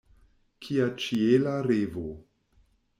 Kia ĉiela revo!